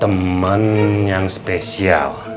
temen yang spesial